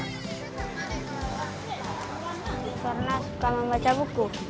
karena suka membaca buku